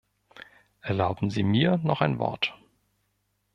Erlauben Sie mir noch ein Wort.